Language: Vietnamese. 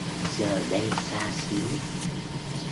Giờ đây xa xứ